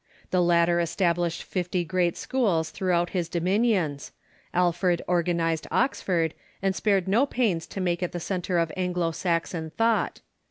The latter established fifty great schools throughout his domin ions. Alfred organized Oxford, and spared no pains to make it the centre of Anglo Saxon thought.